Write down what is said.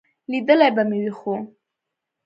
لیدلی به مې وي، خو ...